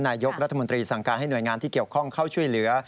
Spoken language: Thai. นายกรัฐมนตรีสั่งการให้หน่วยงานที่เกี่ยวข้องเข้าช่วยเหลือ